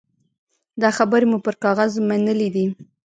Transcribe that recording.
دا خبرې مو پر کاغذ منلي دي.